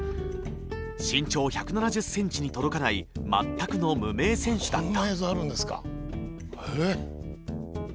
身長１７０ｃｍに届かない全くの無名選手だった。